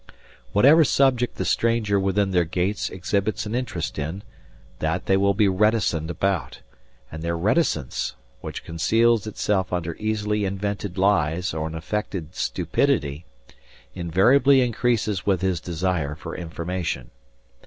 Whatever subject the stranger within their gates exhibits an interest in, that they will be reticent about; and their reticence, which conceals itself under easily invented lies or an affected stupidity, invariably increases with his desire for information.